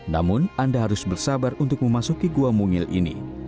namun anda harus bersabar untuk memasuki gua mungil ini